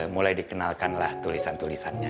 mulai dikenalkanlah tulisan tulisannya